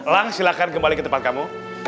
lang silahkan kembali ke tempat kamu